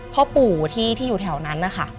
พ่อปู่ที่อยู่แถวนั้นนะคะ